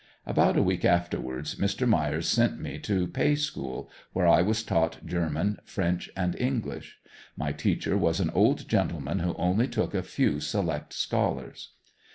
About a week afterwards Mr. Myers sent me to pay school, where I was taught German, French and English. My teacher was an old gentleman who only took a few select scholars.